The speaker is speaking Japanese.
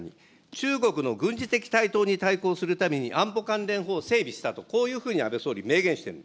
中国の軍事的台頭に対抗するために、安保関連法を整備したと、こういうふうに安倍総理、明言してる。